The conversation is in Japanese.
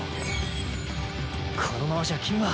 このままじゃ君は。